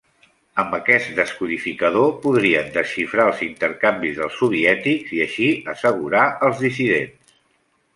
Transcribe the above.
Amb aquest descodificador podrien desxifrar els intercanvis dels soviètics i així assegurar els dissidents.